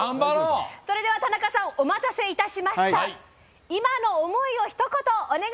それでは、田中さんお待たせしました。